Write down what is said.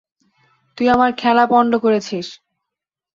তুই আমার খেলা পন্ড করেছিস!